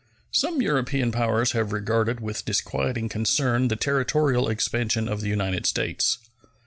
Some European powers have regarded with disquieting concern the territorial expansion of the United States.